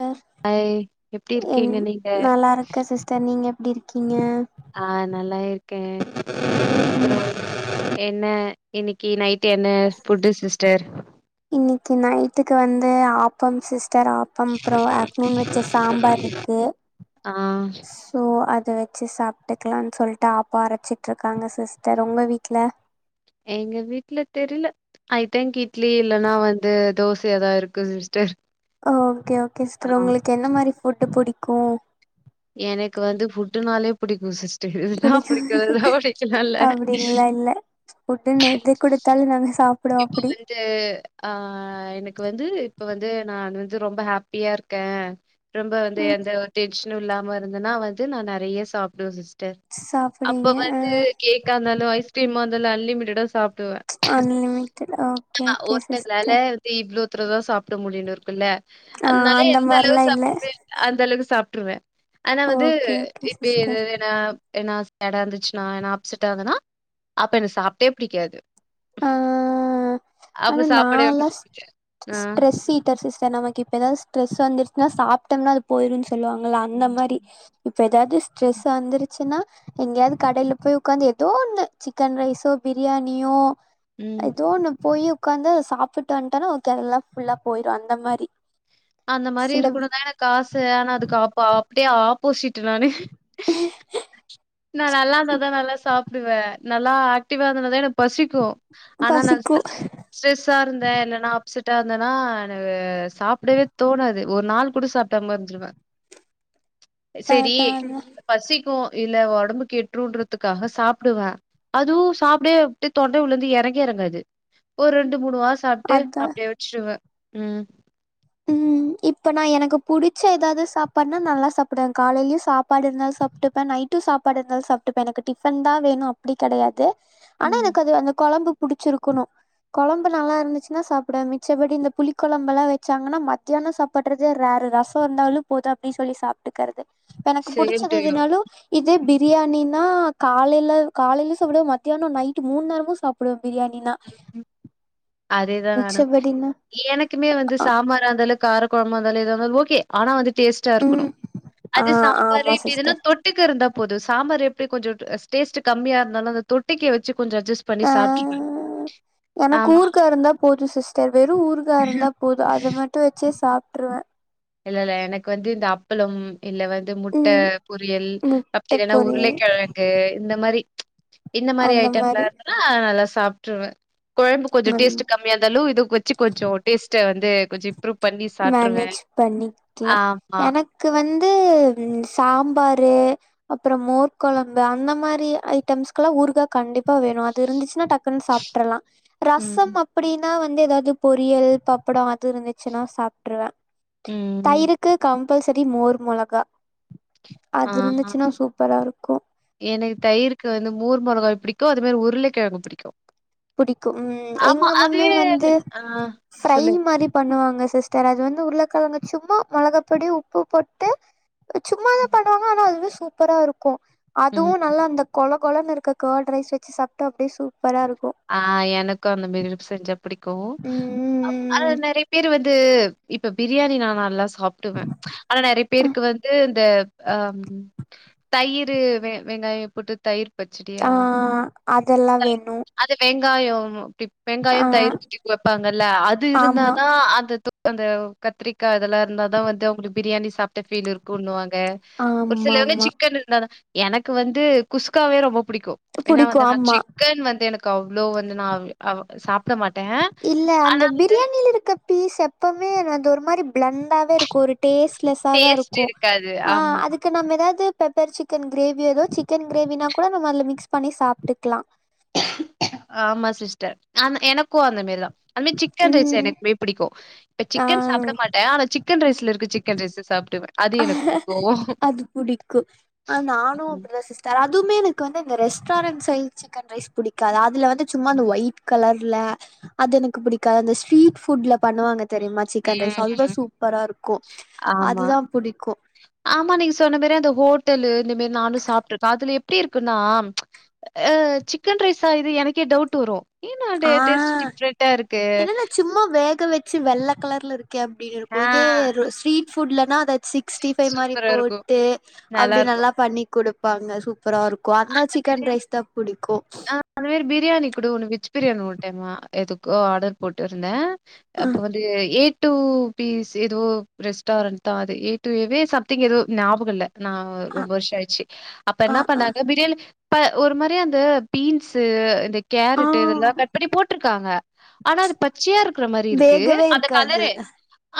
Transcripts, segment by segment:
Sister hi எப்டி இருக்கீங்க நீங்க அத்த நீங்க எப்டி இருக்கீங்க ஆ நல்லா இருக்கே உம் [inaudible] என்ன இன்னைக்கு நைட் என்ன ஃபுட்டு சிஸ்டர் இன்னைக்கு நைட்டுக்கு வந்து ஆப்பம் சிஸ்டர் ஆப் பம் அப்றோ ஆஃப்டர்நூன் வச்ச சாம்பார் இருக்கு ஆ சோ அத வச்சு சாப்பிட்டுக்கலானு சொல்லிட்டு ஆப்போ அரச்சிட்டுருக்காங்க சிஸ்டர் உங்க வீட்ல எங்க வீட்ல தெரில ஐ திங் இட்லி இல்லன்னா வந்து தோச ஏதாயா இருக்கு சிஸ்டர் ஓகே ஓகே ஆ சிஸ்டர் உங்களுக்கு என்ன மாதிரி ஃபுட்டு புடிக்கூ எனக்கு வந்து ஃபுட்டுனாலே புடிக்கூ சிஸ்டர் இதுதா புடிக்கு புடிக்கூ [unintelligible] லல்ல ஃபுட்டுனு எழுதி குடுத்தாலு நா சாப்ப இப்ப பாரு இது ஆ எனக்கு வந்து இப்ப வந்து நான் வந்து ரொம்ப ஹாப்பியா இருக்கே ரொம்ப வந்து ம் எந்த ஒரு டென்ஷனு இல்லாம இருந்தன்னா வந்து நா நெறைய சாப்டுவே சிஸ்டர் அப்ப சாப்டுவீங்க அ வந்து கேக்கா இருந்தாலு ஐஸ்கிரீமா இருந்தாலு அன்லிமிடடா சாப்டுவே உம் தெரில ஓகே ஓகே சிஸ் இவ்ளோத்தரதா சாப்ட முடியுனு இருக்குல்ல ஆ அதனால அந்த எந்த அளவு மாரிலா இல்ல சாப்பி அந்த அளவுக்கு சாப்ட்டுருவே ஆனா வந்து ஓகே ஓகே சிஸ்டர் இப்டின்னா ஏன்னா சேடா இருந்துச்சுன்னா ஏனா அப்செட்டா இருந்தனா அப்ப எனக்கு சாப்டே பிடிக்காது ஆ அப்ப ஆனா நா சாப்பாடே ல்லா ஆ, ஸ்ட்ரெஸ் [unintelligible] சிஸ்டர் நமக்கு இப்ப ஏதாவது ஸ்ட்ரெஸ் வந்துச்சுா சாப்ட்டோம்னா அது போயிரும்னு சொல்லுவாங்களா அந்த மாரி இப்ப ஏதாவது ஸ்ட்ரெஸ் வந்துருச்சுன்னா எங்கயாவது கடையில போய் உக்காந்து ஏதோ ஒண்ணு சிக்கன் ரைஸோ பிரியாணியோ ம். ஏதோ ஒண்ணு போய் உக்காந்து அத சாப்ட்டு வந்துட்டோனா ஓகே எல்லா ஃபுல்லா போயிடு அந்த மாரி அந்த மாரி சில இருக்கணு தா ஆச ஆனா அதுக்கு அப் அப்டியே ஆப்போசிட் நானு [inaudible] நா நல்லா இப் இருந்தாதா நல்லா சாப்டுவே நல்லா ஆக்டிவா இருந்தன தா எனக்கு பசிக்கு ஆனா நா பசிக்கு ஸ்டரெஸ் ஸ்ட்ரெஸ்ஸா இருந்தே என்னன்னா அப்செட்டா இருந்தன்னா எனக்கு சாப்டவே தோணாது ஒரு நாள் கூட சாப்ப தம் எடுத்துடுவே சரி அதா அதா பசிக்கூ இல்ல உடம்பு கெட்டுன்றதுக்காக சாப்டுவே அதுவு சாப்டே அப்ட்டே தொண்ட உள்ள இருந்து இறங்கவே இறங்காது ஒரு ரெண்டு மூணு மாச சாப்ட்டு அதா அப்டியே வச்ருவே உம் ம் இப்ப நா எனக்கு புடிச்ச ஏதாவது சாப்பாடுனா நல்லா சாப்டுவே காலையிலயு சாப்பாடு இருந்தாலு சாப்பிட்டுப்பே நைட் சாப்பாடு இருந்தாலும் சாப்பிட்டுப்ப எனக்கு டிபன் தா வேணு அப்டி கிடையாது ஆனா ம் எனக்கு அது அந்த குழம்பு புடிச்சிருக்கணு கொழம்பு நல்லா இருந்துச்சுன்னா சாப்டவே மிச்சபடி இந்த புளி குழம்பு எல்லா ச்சாங்கன்னா மத்தியான சாப்டுறதே ரேர் ரசொ இருந்தாலு போது அப்டின்னு சொல்லி சாப்ட்டுக்கறது எனக்கு சேம் புடிச்சது டு யூ எதுனாலு இது பிரியாணின்னா காலையில காலையில சாப்டுவே மத்தியான நைட் மூணு நேரமு சாப்ப அப்றோ பிரியாணினா அதேதா நானு மிச்சபடினா எனக்குமே வந்து அ சாம்பார் இருந்தாலு கார குழம்பு இருந்தாலு எதா இருந்தாலு ஓகே ஆனா வந்து டேஸ்ட்டா இருக்கணு ம் ஆ அது சாம்பார் ஆமா இட்லி சிஸ்டர். ன்னா தொட் தொட்டுக்க இருந்தா போது சாம்பார் எப்டி கொஞ்சோ டேஸ்ட் கம்மியா இருந்தாலு அந்த தொட்டக்கை வச்சு கொஞ்ச அஜஸ் ஆ எனக்கு ஆமா ஊருக்கா இருந்தா போது சிஸ்டர் வெறு ஊருக்கா இருந்தா போது அத மட்டு வச்சே சாப்ட்ருவே இல்லல்ல எனக்கு வந்து இந்த அப்பளம் இல்ல வந் து முட்ட ம் பொரியல் முட்ட அப்டில்லன்னா பொரியல் உருளக்கெழங்கு இந்த மாரி இந்த மாரி ஐட்டம்ல இந்துதுனா நல்லா சாப்ட்ருவ கொழம்பு கொஞ்சோ ம் டேஸ்ட்டு கம் மியா இந்தாலு இதுக் வச்சு கொஞ்சோ டேஸ்ட்ட வந்து கொஞ்சி த்ரூ பண்ணிஸ் மேனேஜ் பண்ணிக்லா எனக் க்கு வந்து ம் சாம்பாரு அப்றோ மோர் கொழம்பு அந்த மாரி ஐட்டம்ஸ்க்லா ஊருகா கண்டிப்பா வேணு அது இருந்துச்சுன்னா டக் ன்னு சாப்ட்றலா ம் ரசம் அ அப்டின்னா வந்து எதாவ்து பொரியல் பப்படோ அது இருந்துச்சுன்னா சாப்ட்ருவ ம் தயிருக் க்கு கம்பல்சரி மோர் மொளகா அது இருந்துச்சுன்னா சூப்பரா இருக்கோ எனக் தயிருக்கு வந்து மோர் மொளகாவு புடிக்கோ அது மாரி உருளக்கெழங்கு புடிக்கோ புடிக்கோ ம் எங்க மம்மி வந்து ஆ ஃப்ரை சொல்லு. மாரி பண்ணுவாங்க சிஸ்டர் அது வந்து உருளக்கெழங்கு சும்மா மொளகா பொடி உப்பு போட்டு சும்மாதா பண்ணுவாங்க ஆனா அதுவே சூப்பரா இருக்கோ ம். அதுவு நல்லா அந்த கொழ கொழன்னு இருக்க கர்ட் ரைஸ் வச்சு சாப்ட்டா அப்டியே சூப்பரா இருக்கோ ஆ எனக்கு அந்த மாரி வெச்சு செஞ்சா பிடிக்கோ அப் ஆனா ம் நெறைய பேரு வந்து இப்ப பிரியாணி நா நல்லா சாப்டுவ ஆனா நெறைய பேருக்கு வந்து இந்த ஆம் தயிரு வெ வெங்காய போட்டு தயிர் பச்சடியா? ஆ அதெல்லா வேணு அது வெங்காயோ பிப் வெங்காய ஆ தயிர் ஊத்தி வெப்பாங்கல்ல அது ஆமா இருந்தாதா அந்த அந்த கத்திரிக்கா இதெல்லா இருந்தாதா வந்து அவங்களுக்கு பிரியாணி சாப்ட்ட ஃபீல் இருக்குன்னுவாங்க ஒரு ஆமா சிலவங்க ஆமா சிக்கன் இருந்தாதா எனக்கு வந்து குஸ்காவே ரொம்ப புடிக்கோ ஏன்னா புடிக்கு வந்து நா ஆமா சிக்கன் வந்து எனக்கு அவ்ளோ வந்து நா அவ் சாப்ட மாட்ட இல்ல அந்த பிரியாணி இருக்க பீஸ் எப்பவுமே அது ஒரு மாரி பிளண்டாவே இருக்கும் ஒரு டேஸ்ட்லெஸ்ஸா தா டேஸ்ட் இருக்கும் இருக்காது. ஆ ஆமா, அதுக்கு நம்ம எதாவ்து பெப்பர் சிக்கன் கிரேவி ஏதோ சிக்கன் கிரேவினா கூட நம்ம அதுல மிக்ஸ் பண்ணி சாப்ட்டுக்லா ஆமா சிஸ்டர் அம எனக்கு அந்த மெரி தா அந்த மாரி சிக்கன் ரைஸ் ம் எனக்மே பிடிக்கும் இப்ப ஆ சிக்கன் சாப்ட மாட்ட ஆனா சிக்கன் ரைஸ்ல இருக்க சிக்கன் ரைஸ்ச சாப்டுவா அது புடிக்கும் ஆ நானு ம். அப்டிதா சிஸ் டர் அதுமே எனக்கு வந்து இந்த ரெஸ்டாரண்ட் சைல் சிக்கன் ரைஸ் புடிக்காது அதுல வந்து சும்மா இந்த ஒயிட் கலர்ல அது எனக்கு பிடிக்காது அந்த ஸ்ட்ரீட் ஃபுட்ல பண்ணுவாங்க தெரியுமா சிக்கன் ரைஸ் அதுதா சூப்பரா இருக்கும் ஆமா. அதுதா புடிக்கும் ஆமா நீங் சொன்ன மாரி அந்த ஹோட்டலு இந்த மாரி நானு சாப்ட்டு இருக்க அதுல எப்டி இருக்குன்னா அ சிக்கன் ரைஸா இது எனக்கே டவுட் வரோ ஏன் உன்டைய டேஸ்ட் ஆ டிஃப்ரெண்டா இருக்கு என்னன்னா சும்மா வேக வெச்சு வெள்ள கலர்ல இருக்கே அப்டின் ஆ இக்கும் இதே ரோ ஸ்வீட் ஃபுட்லனா அத சிக்ஸ்டி ஃபைவ் மாரி சூப்பரா இருக்கும். போட்டு அப்டி நல்லாருக்கும். நல்லா பண்ணி குடுப்பாங்க சூப்பரா இருக் கும் அந்த சிக்கன் ரைஸ் தா புடிக்கும் அந்த மாரி பிரியாணி குட ஒன்னு வெஜ் பிரியாணி ஒர் டைம் எதுக்கோ ஆடர் போட்டுருந்த அ அப்ப வந்து ஏ டூ பீஸ் ஏதோ ரெஸ்டாரண்ட் தா அது ஏ டூ வுவே சம்திங் எதோ ஞாபக இல்ல ஞாவோ அ ரொம்ப வர்ஷோ ஆய்ச்சு அப்ப அ என்ன அ பண்ண பிரியாணி ப்பா ஒரு மாரி அந்த பீன்ஸ்சு இந்த ஆ கேரட்டு இதெல்லா கட் பண்ணி போட்ருக் க்காங்க ஆனா அது பச்சையா இருக்ற மாரி இருக்கு வேகவே அந்தக் இருக்காது கலரு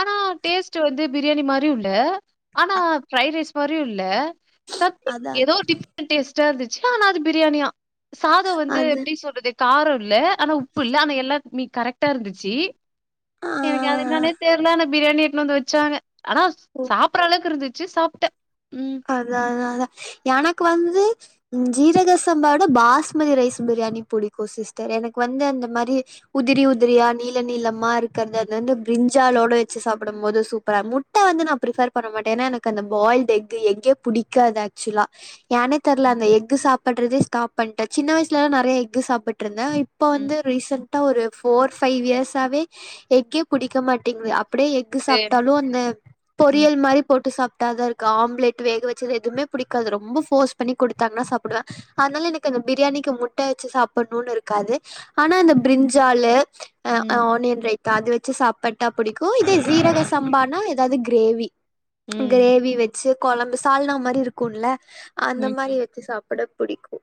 ஆனா டேஸ்ட்டு வந்து பிரியாணி மாரியு இல்ல ஆனா ஃபிரைட் ரைஸ் மாரியு இல்ல சத்திங் அதா அது எதோ ஒரு டிஃப்ரண்ட் டேஸ்ட்டா இருந்துச்சு ஆனா அது பிரியாணியா சாதோ வந்து அது எப்டி சொல்றது காரோ இல்ல ஆனா உப்பு இல்ல ஆனா எல்லாத்மி கரெக்டா இருந்துச்சி ஆ எனக்கு அது என்னானேத் தெர்ல ஆனா பிரியாணி எட்னு வந்து வச்சாங்க ஆனா ஓ சாப்பற அளவுக்கு இருந்துச்சு சாப்ட்ட ம் அதா அதா அதா எனக்கு வந்து ஜீரக சம்பாவட பாஸ்மதி ரைஸ் பிரியாணி புடிக்கு சிஸ்டர் எனக்கு வந்து அந்த மாரி உதிரி உதிரியா நீள நீளமா இருக்கர்றது ம். அதுல வந்து பிரிஞ்சாலோட வெச் ச்சு சாப்டம்போது சூப்பரா முட்ட வந்து நா பிரிஃபர் பண்ண மாட்டே எனா எனக்கு அந்த பாயில்டு எஃக் கு எஃகே புடிக்காது ஆக்சுலா ஏனே தெர்ல அந்த எஃக்கு சாப்பட்றதுச் காப் பண்ட்டே சின்ன வயிச்லலா நெறைய எஃக்கு சாப்பிட்ருந்தே இப்ப ம். வந்து ரீசென்ட் டா ஒரு ஃபோர் ஃபைவ் இயர்ஸாவே எஃக்கே புடிக்க மாட்டேங்து அப் ப்டியே எஃகு சரி. சாப்ட்டாலு அந்த ம். பொரியல் மாரி போட்டு சாப்ட்டாதா இருக்கு ஆம் பிளட் வேக வச்சது எதுவுமே புடிக்காது ரொம்ப ஃபோர்ஸ் பண்ணி குடுத்தாங்னா சாப்டுவே அதனால எனக்கு அந்த பிரியாணிக்கு முட்ட வச்சு சாப்புணுன் இருக்காது ஆனா இந்த பிரிஞ்சாலு அ அ ம். ஆனியன் ரைத்தா அது வச்சு சாப் பட்டா புடிக்கு இதே சீரக சம்பானா எதாது கிரேவி ம். கிரேவி வச் சு கொழம்பு சால்னா மாரி இருக்குல்ல அந்த ம். மாரி வெச்சு சாப்பட பிடிக்கு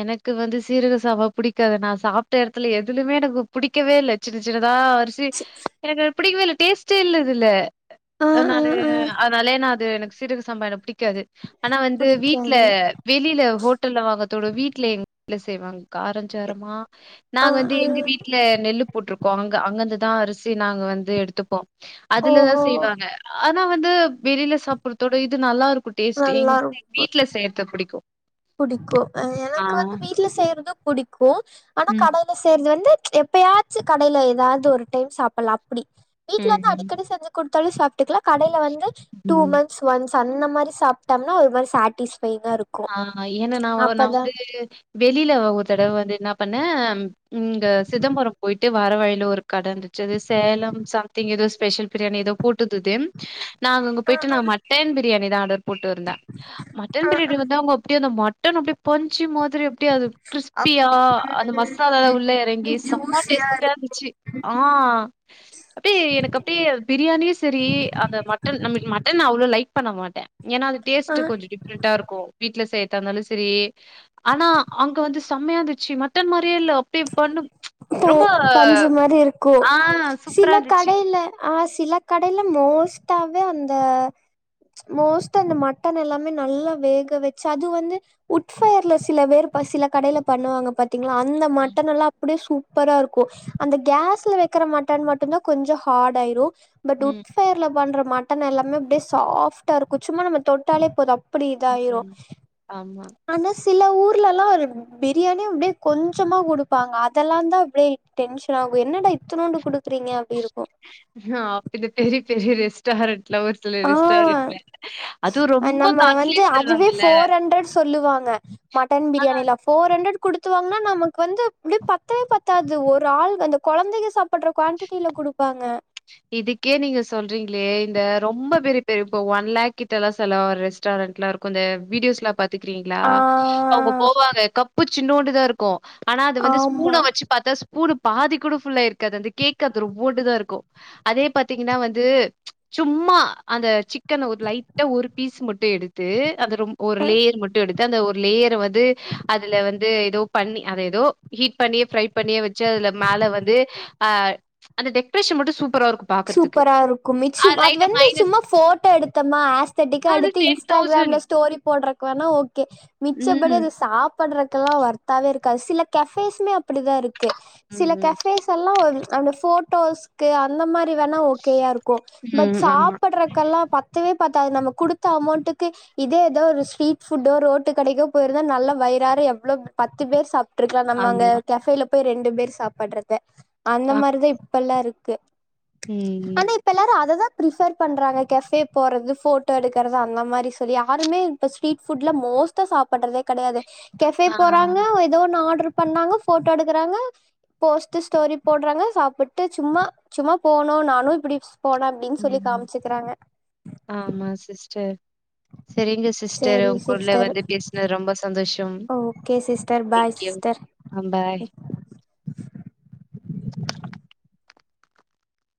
எனக்கு வந்து சீரக சாவா பிடிக்காது நா சாப்ட்ட எடத்துல எதுலுமே எனக்கு பிடிக்கவே இல்ல சின்ன சின்னதா அரிசி சி எனக்கு அது பிடிக்கவே இல்ல டேஸ்ட்டே இல்ல அதுல ஆ ஆ நானு ஆ அதனாலே நா அது எனக்கு சீரக சம்பா எனக் பிடிக்காது ஆனா வந்து வீட்ல புடிக்காது வெளில ஹோட்டல்ல வாங்கத் தோட வீட்ல எங் ட்ல செய்வாங்க காரஞ்சாரமா ஆ நாங்க வந்து ஆ எங்க வீட் ட்ல நெல்லு போட்ருக்கோ அங்க அங்கிந்துதா அரிசி நாங்க வந்து எடுத்துப்போ அதுலதா ஓஹோ செய்வாங்க ஆனா வந்து வெளில சாப்பிர்றத்தோட இது நல்லாருக்கு டேஸ்ட்டு எங்கனா அது எங் நல்லாருக்கு வீட்ல செய்றது பிடிக்கு புடிக்கு அ எனக்கு வந்து வீட்ல செய்றதும் புடிக்கு ஆனா ம். கடை ல சேர்து வந்து எப்பயாச்சு கடைல எதாது ஒரு டைம் சாப்பல்லா அப்டி வீட்ல வந்து ம். அடிக்கடி செஞ்சு குட்த்தாலு சாப்ட்டுக்லா கடைல வந்து டூ ம். மந்த்ஸ் ஒன்ஸ் அந்த மாரி சாப்ட்டம்னா ஒரு மாரி சாட்டிஸ்ஃபையிங்கா இருக்கு ஆ எனா நாவ நா அப்பதா வந்து வெளில ஒர் தடவ வந்து என்னாப் பண்ணே ம் இங்க சிதம்பரம் போயிட்டு வர வழில ஒருக் கட இந்துச்சு அது சேலம் சம்திங் எதோ ஸ்பெஷல் பிரியாணி எதோப் போட்டுதுது நாங்க அங்க அ போயிட்டு அ நா மட்டன் பிரியாணிதா ஆர்டர் போட்ருந்தே மட்டன் அ பிரியாணி வந் து அவுங்க அப்டியே அந்த மட்டன் அப்டியே பஞ்சு மாதிரி அப்டியே அது கிறிஸ்பியா அப்டி அந்த ம் மசாலாலா உள்ள எறங்கி ம் செம்ம ஜூஸியா டேஸ்ட்டியா இருக்கு இருந்துச்சி ஆ அப்டியே எனக்கு அப்டியே அது பிரியாணியு சரி அந்த மட்டன் நமக்கு மட்டன் அவ்ளோ லைக் பண்ண மாட்டே எனா அது ஆஹ் டேஸ்ட்டு கொஞ்சோ டிஃப்ரெண்டா இருக்கு வீட்ல செய்ரதா இருந்தாலு சரி ஆனா அங்க வந்து செம்மையாந்துச்சி மட்டன் மாரியே இல்ல அப்டியே பண்ணும் [unintelligible] பஞ்சு மாரி இருக்கு ஆ சூப்பரா சிலக் இருந்துச்சு கடைல ஆ சிலக் கடைல மோஸ்டாவே அந்த மோஸ்ட்டா அந்த மட்டன் எல்லாமே நல்லா வேக வச்சு அது வந்து உட்ஃபயர்ல சில பேர் சில கடைல பண்ணுவாங்க பாத்தீங்ளா அந்த மட்டன் எல்லா அப்டியே சூப்பரா இருக்கு அந்த கேஸ்ல வெக்கிற மட்டான் மட்டுந்தா கொஞ்சோ ஹாடாயிரு பட் ம் உட் ஃபயர்ல பன்ற மட்டன் எல்லாமே அப்படியே சாஃப்டா இருக்கும் சும்மா நம்ம தொட்டாலே போது அப்புடி ம் இதாயிரும் ம் ஆமா ஆனா சில ஊர்லல்லாம் ஒரு பிரியாணியே அப்டியே கொஞ்சமா கொடுப்பாங்க இதெல்லாம் தா அப்படியே டென்ஷன் ஆகும் என்னடா இத்துணோண்டு குடுக்குறீங்க அப்படி இருக்கும் ஆ பெரிய பெரிய பெரிய ரெஸ்டாரென்ட்ல [unintelligible] ல ஆ ரெஸ்டாரென்ட்ல அதுவு ரொம்ப நம்ம காஸ்ட்லி வந்து அதுவே சொல்லுவாங்கல்ல ஃபோர் ஹண்ட்ரட் சொல்லுவாங்க மட்டன் ஆ பிரியாணில ஃபோர் ஹண்டரட் குடுத்து வாங்கன்னா நமக்கு வந்து இப்டி பத்தவே பத்தாது ஒரு ஆள் அந்த குழந்தைங்க சாப் புட்ற குவான்டிடில கொடுப்பாங்க இதுக்கே நீங்க சொல்றீங்களே இந்த ரொம்ப பெரிய பெரிய இப்ப ஒன் லேக் கிட்டெல்லாம் செலவாகுர ரெஸ்டாரன்ட்லா இருக் கு இந்த வீடியோஸ்ல பாத் த்துருகீங்களா ஆ அவுங்க போவாங்க கப்பு சின்னோண்டு தா இருக்கும் ஆனா அது வந்து ஆமா ஸ்பூன வச்சு பாத்தா ஸ்பூனு பாதி கூட ஃபுல்லாயிருக்காது அந்த கேக் அது இவோன்டு தா இருக்கும் அதே பாத்தீங்கன்னா வந்து சும்மா அந்த சிக்கன் ஒரு லைட்டா ஒரு பீஸ் மட்டும் எடு த்து அந்த ரொம் ஒரு அ லேயர் மட்டும் எடுத்து அந்த ஒரு லேயர வந்து அதுல வந்து எதோ பண்ணி அத எதோ ஹீட் பண்ணி ஃப்ரை பண்ணியோ வச்சு அதுல மேல வந்து ஆ அந்த டெக்ரேஷன் மட்டும் சூப்பரா இருக்கும் பாக்குறதுக்கு. சூப்பரா இருக்கும் ஆ மிச்சம் அது லைட்டா வந்து மைனஸ் சும்மா போட்டோ எடுத்தோம்மா ஆஸ்தட்டிக்கா அது எடுத்து இன்ஸ்டாகிராம்ல ஸ்டோரி போடுறக்கு வேனா ஓ ஓகே மிச்சப்படி ம். அது சாப்படுறக்கெல்லாம் வொர்த்தாவே இருக்காது சில கஃபேஸ்மே அப்டிதா இருக்கு ம், சில ம். கஃபேஸ்ஸல்லாம் அது அந்த போட்டோஸ்கு அந்த மாரி வேனா ஓகோ இருக்கும் பட் ம். ஆமா, சாப்புடறக்கெல்லாம் பத்துவே பத்தாது நம்ம கொடுத்த அமௌண்டுக்கு இதே எதோ ஒரு ஸ்ட்ரீட் ஃபுட்டோ ரோட்டு கடைக்கோ போயிருந்தா நல்ல வயிறாற எவ்ளவு பத்து பேர் சா ப்ட்ருக்கலாம் நம்ம அங்க ஆமா. கேஃபேல போய் ரெண்டு பேர் சாப்படுறது அந்த அ மாரிதான் இப்பெல்லாம் இருக்கு ம் ஆனா இப்ப எல்லாரும் அததா பிரிஃபர் பண்றாங்க கெஃபே போறது போட்டோ எடுக்கிறது அந்த மாரி சொல்லி யாருமே இப்ப ஸ்ட்ரீட் ஃபுட்ல மோஸ்டா சாப்பிடடுறதே கிடையாது கஃபே ஆ. போறங்க ஏதோ ஒன்னு ஆட்ரு பண்ணாங்க போட்டோ எடுக்கறாங்க போஸ்ட் ஸ்டோரி போடுறாங்க சாப்பிட்டு சும்மா சும்மா போனும் நானும் இப்படி போனோ அப்டின்னு சொல்லி ம் காமிச்சுக்கிறாங்க. ஆமா சிஸ்டர் செரிங்க சிஸ்டர் சேரி உங்குள்ள சிஸ்டர் வந்து பேசுனது ரொம்ப சந்தோஷம் okay sister bye thank you sister. ஆ பாய்